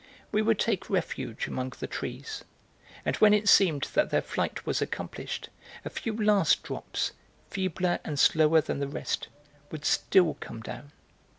We would take refuge among the trees. And when it seemed that their flight was accomplished, a few last drops, feebler and slower than the rest, would still come down.